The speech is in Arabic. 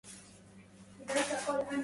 رواية قد روت عن أمة العرب